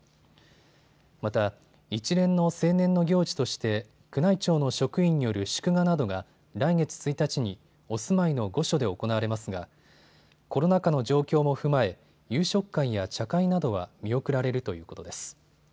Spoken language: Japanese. また、一連の成年の行事として宮内庁の職員による祝賀などが来月１日にお住まいの御所で行われますがコロナ禍の状況も踏まえ夕食会や茶会などは見送られるということです。